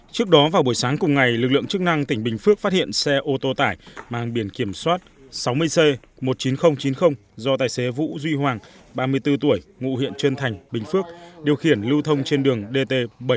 trước đó vào buổi sáng cùng ngày lực lượng chức năng tỉnh bình phước phát hiện xe ô tô tải mang biển kiểm soát sáu mươi c một mươi chín nghìn chín mươi do tài xế vũ duy hoàng ba mươi bốn tuổi ngụ huyện trân thành bình phước điều khiển lưu thông trên đường dt bảy trăm bốn mươi